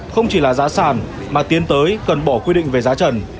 không chỉ là giá sản mà tiến tới cần bỏ quy định về giá trần